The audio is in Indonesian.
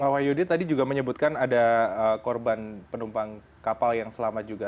wahyudi tadi juga menyebutkan ada korban penumpang kapal yang selamat juga